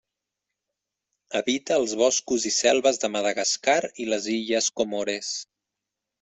Habita els boscos i selves de Madagascar i les illes Comores.